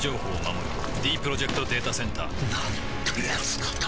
ディープロジェクト・データセンターなんてやつなんだ